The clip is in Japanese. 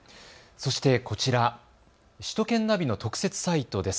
そしてこちら、首都圏ナビの特設サイトです。